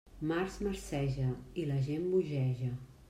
Març marceja... i la gent bogeja.